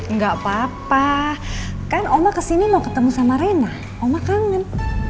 nggak apa apa kan oma kesini mau ketemu sama rena oma kangen